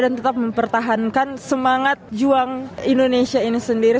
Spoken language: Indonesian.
dan tetap mempertahankan semangat juang indonesia ini sendiri